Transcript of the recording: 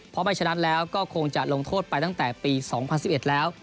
เพราะไม่ฉะนั้นแล้วก็คงจะลงโทษไปตั้งแต่ปี๒๐๑๑แล้ว